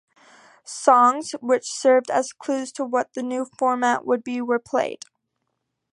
Songs which served as clues to what the new format would be were played.